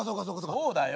そうだよ。